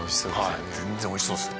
全然おいしそうですね。